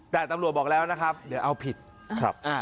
แต่ตำรวจบอกแล้วนะครับเดี๋ยวเอาผิดครับ